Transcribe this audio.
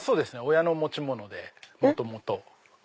親の持ち物で元々。